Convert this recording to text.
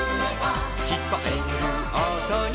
「きこえるおとに」